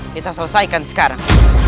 kita selesaikan sekarang